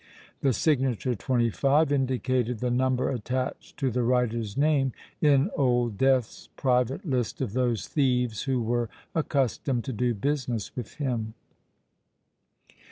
The signature "TWENTY FIVE" indicated the number attached to the writer's name in Old Death's private list of those thieves who were accustomed to do business with him.